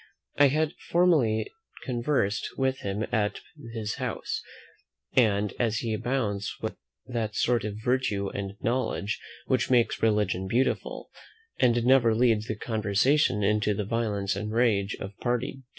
I had formerly conversed with him at his house; and as he abounds with that sort of virtue and knowledge which makes religion beautiful, and never leads the conversation into the violence and rage of party disputes, I listened to him with great pleasure.